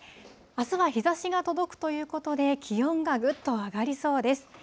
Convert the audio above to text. あすは日ざしが届くということで、気温がぐっと上がりそうです。